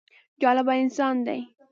جالبه انسان دی.